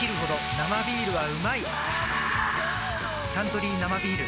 「サントリー生ビール」